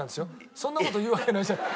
そんな事言うわけないじゃない。